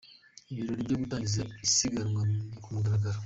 Ibirori byo gutangiza isiganwa ku mugaragaro.